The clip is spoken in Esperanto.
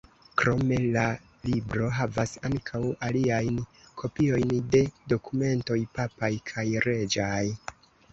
Krome la libro havas ankaŭ aliajn kopiojn de dokumentoj papaj kaj reĝaj.